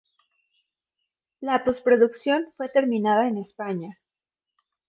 La posproducción fue terminada en España.